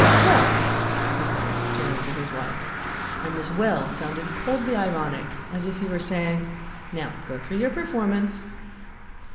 "Well!" he said, turning to his wife. And this "Well!" sounded coldly ironic, as if he were saying: "Now go through your performance."